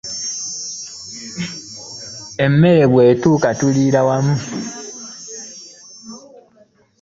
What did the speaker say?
Emmere bwe tuuka tulira wamu.